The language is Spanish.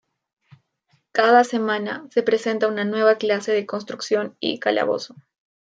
Cada semana se presenta una nueva clase de construcción y calabozo.